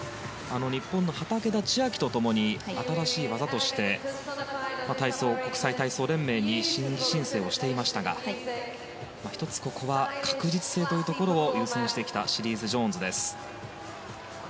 日本の畠田千愛と共に新しい技として国際体操連盟に申請していましたが、ここは確実性を優先してきたシリーズ・ジョーンズです。